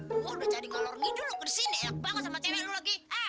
udah jadi ngalor ngidu dulu bersih banget sama cewek lagi